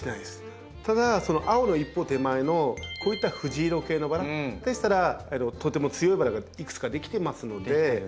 ただ青の一歩手前のこういった藤色系のバラでしたらとても強いバラがいくつか出来てますので。